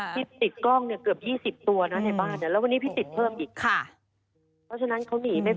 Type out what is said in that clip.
พี่ติดกล้องเนี่ยเกือบยี่สิบตัวนะในบ้านเนี่ยแล้ววันนี้พี่ติดเพิ่มอีกค่ะเพราะฉะนั้นเขานี่ไม่พ้น